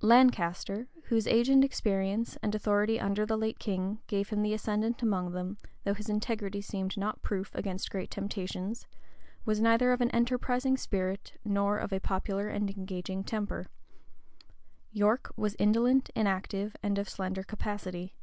Lancaster, whose age and experience, and authority under the late king, gave him the ascendant among them, though his integrity seemed not proof against great temptations, was neither of an enterprising spirit, nor of a popular and engaging temper. York was indolent, inactive, and of slender capacity.